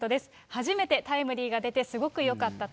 初めてタイムリーが出て、すごくよかったと。